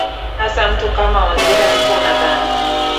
hasa mtu kama waziri mkuu nadhani